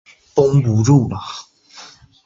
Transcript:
单县各乡镇设有卫生院或医院。